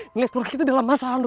menelit nur kita dalam masalah nur